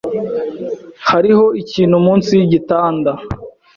Hariho ikintu munsi yigitanda.